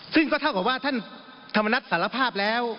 ซึ่งก็เท่ากับว่าท่านธรรมนัฐสารภาพแล้ว